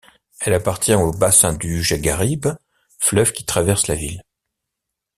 Elle appartient au bassin du Jaguaribe, fleuve qui traverse la ville.